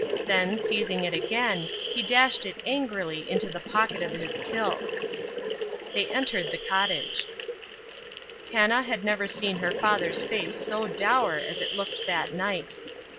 Then, seizing it again he dashed it angrily into the pocket of his kilt. They entered the cottage. Hannah had never seen her father's face so dour as it looked that night.